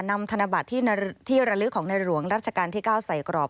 ธนบัตรที่ระลึกของในหลวงรัชกาลที่๙ใส่กรอบ